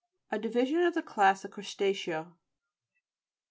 A division of the class of crust a'cea.